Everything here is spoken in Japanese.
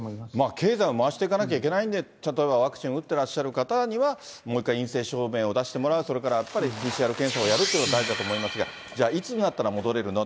経済を回していかなきゃいけないんで、例えばワクチン打ってらっしゃる方には、もう一回、陰性証明を出してもらう、それからやっぱりＰＣＲ検査をやるっていうことが大事だと思いますが、じゃあ、いつになったら戻れるの。